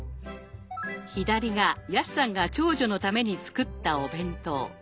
左が安さんが長女のために作ったお弁当。